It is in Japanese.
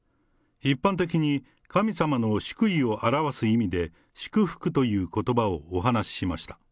一般的に、神様の祝意を表す意味で、祝福ということばをお話ししました。